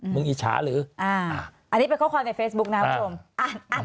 มึงอิจฉาหรืออ่าอันนี้เป็นข้อความในเฟซบุ๊กนะผู้ชมอ่าอ่า